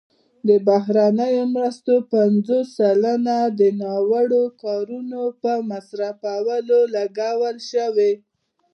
د بهرنیو مرستو پنځوس سلنه د ناوړه کارونې په مصارفو لګول شوي.